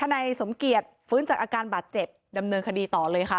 นายสมเกียจฟื้นจากอาการบาดเจ็บดำเนินคดีต่อเลยค่ะ